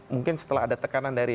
mungkin setelah ada tekanan dari